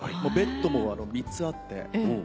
ベッドも３つあって。